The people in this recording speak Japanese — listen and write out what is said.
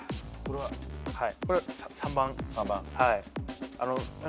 はい。